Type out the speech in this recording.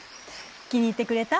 気に入ってくれた？